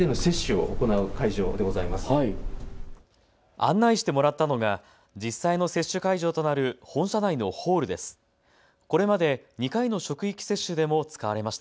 案内してもらったのが実際の接種会場となる本社内のホールです。